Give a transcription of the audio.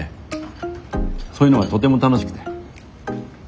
そういうのがとても楽しくて。